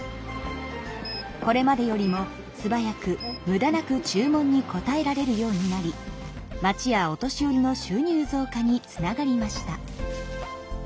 これまでよりもすばやくむだなく注文に応えられるようになり町やお年寄りの収入増加につながりました。